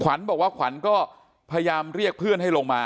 บอกว่าขวัญก็พยายามเรียกเพื่อนให้ลงมา